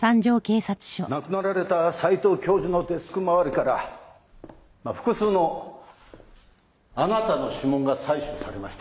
亡くなられた斎藤教授のデスク周りから複数のあなたの指紋が採取されました。